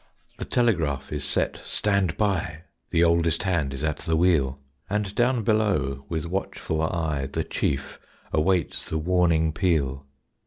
The telegraph is set "stand by"; The oldest hand is at the wheel; And down below with watchful eye The Chief awaits the warning peal.